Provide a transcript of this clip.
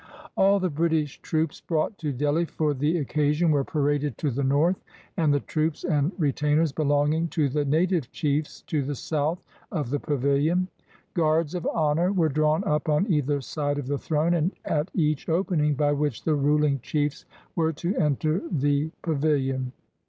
All the British troops brought to Delhi for the occa sion were paraded to the north, and the troops and re tainers belonging to the native chiefs to the south, of the pavilion. Guards of honor were drawn up on either side of the throne, and at each opening by which the ruling chiefs were to enter the pavilion.